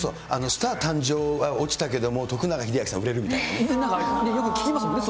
スター誕生！は落ちたけども、とくながひであきさん、売れるみたいなね。